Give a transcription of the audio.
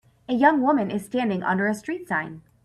A young woman is standing under a street sign.